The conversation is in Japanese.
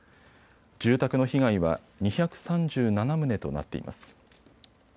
住宅の被害は２３７棟となっています。